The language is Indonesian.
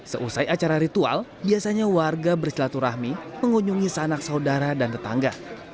seusai acara ritual biasanya warga bersilaturahmi mengunjungi sanak saudara dan tetangga